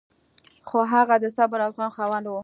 خو هغه د صبر او زغم خاوند و.